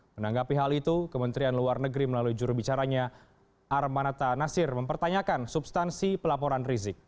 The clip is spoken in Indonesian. menanggapi hal itu kementerian luar negeri melalui jurubicaranya armanata nasir mempertanyakan substansi pelaporan rizik